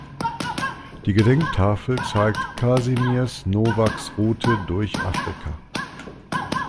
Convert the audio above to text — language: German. Die Gedenktafel zeigt Kazimierz Nowaks Route durch Afrika.